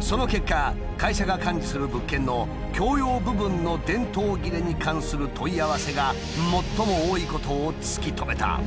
その結果会社が管理する物件の共用部分の電灯切れに関する問い合わせが最も多いことを突き止めた。